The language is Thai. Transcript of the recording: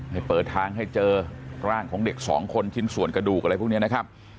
ให้เปิดทางให้เจอร่างของเด็กสองคนชิ้นส่วนกระดูกอะไรพวกนี้นะครับ